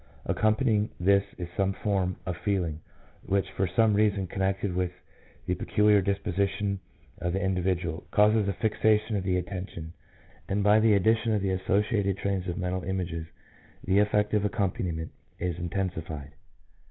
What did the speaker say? Accompanying this is some form of feeling, which for some reason connected with the peculiar disposition of the individual, causes a fixation of the attention, and by the addition of the associated trains of mental images the affective accompaniment is intensified.